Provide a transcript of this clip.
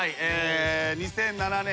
２００７年。